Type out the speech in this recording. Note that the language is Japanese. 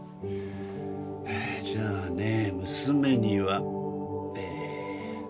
じゃあね娘にはええ。